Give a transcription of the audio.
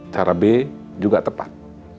cara b juga tepat